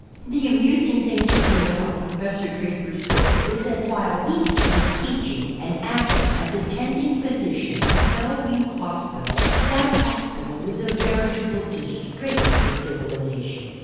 The amusing thing for me about Professor Draper's hook is that while he was teach ing and acting as attending physician at Bellevue Hos pital that hospital was a veritable disgrace to civilization.